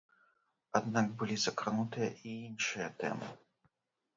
Аднак былі закранутыя і іншыя тэмы.